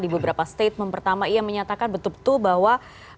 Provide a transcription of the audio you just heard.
di beberapa statement pertama ia menyatakan betul betul bahwa